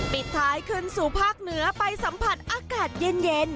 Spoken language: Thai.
ปิดท้ายขึ้นสู่ภาคเหนือไปสัมผัสอากาศเย็น